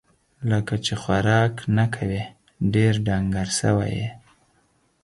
لکه چې خوراک نه کوې ، ډېر ډنګر سوی یې